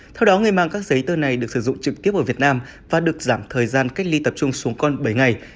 theo đó người mang các giấy tờ này được sử dụng trực tiếp ở việt nam và được giảm thời gian cách ly tập trung xuống còn bảy ngày